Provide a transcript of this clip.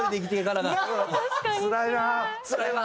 つらいな！